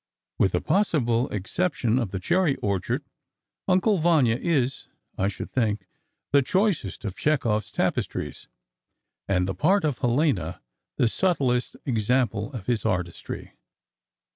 '" With the possible exception of "The Cherry Orchard," "Uncle Vanya" is, I should think, the choicest of Chekhov's tapestries, and the part of Helena, the subtlest example of his artistry.